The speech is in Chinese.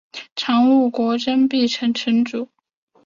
常陆国真壁城城主。